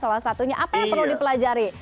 apa yang perlu dipelajari